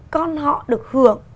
con họ được hưởng